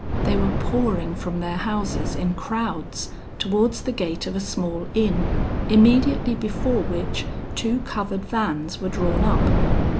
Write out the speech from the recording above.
They were pouring from their houses in crowds, towards the gate of a small inn, immediately before which two covered vans were drawn up.